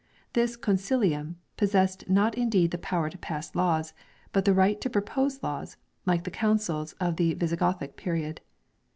This " concilium " possessed not in deed the power to pass laws, but the right to propose laws, like the Councils of the Visigothic period.